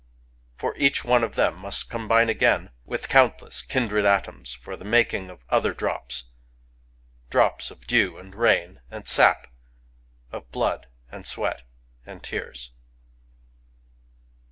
For each one of them must combine again with countless kindred atoms for the making of other drops, — drops of dew and rain and sap, of blood and sweat and tears.